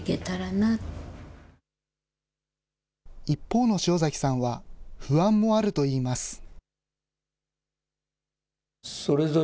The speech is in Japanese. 一方の塩崎さんは、不安もあるといいます。